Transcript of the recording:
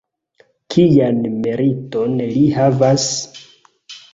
Kian meriton li havas?